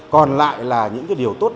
còn lại là những cái điều tốt đẹp